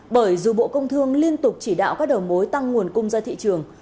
bởi dù bộ công thương liên tục chỉ đạo các đồng bối tăng nguồn cung gia thị trường